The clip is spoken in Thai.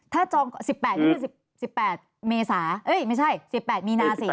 ถ้าจอง๑๘นี่คือ๑๘เมษาไม่ใช่๑๘มีนาสิ